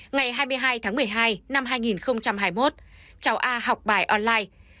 ngày hai mươi hai tháng một mươi hai năm hai nghìn hai mươi một cháu a học bài online